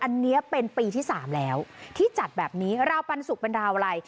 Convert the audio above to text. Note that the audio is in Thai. อันนี้เป็นปีที่๓แล้วที่จัดแบบนี้ราวปันสุกเป็นราวอะไร